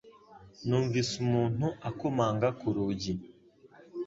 Numvise umuntu akomanga ku rugi